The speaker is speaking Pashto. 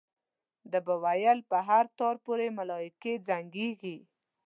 ده به ویل په هر تار پورې ملایکې زنګېږي.